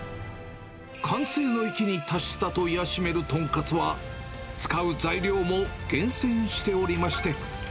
完成の域に達したといわしめる豚カツは、使う材料も厳選しておりまして。